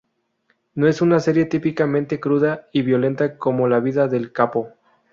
No es una serie típicamente cruda y violenta como la vida del capo.